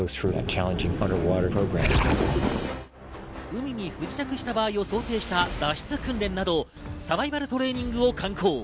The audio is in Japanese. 海に不時着した場合を想定した脱出訓練など、サバイバルトレーニングを敢行。